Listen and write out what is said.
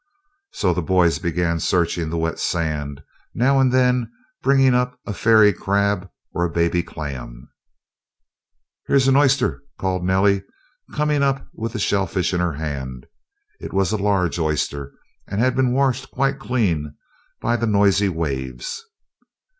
So the boys began searching in the wet sand, now and then bringing up a "fairy crab" or a baby clam. "Here's an oyster," called Nellie, coming up with the shellfish in her hand. It was a large oyster and had been washed quite clean by the noisy waves.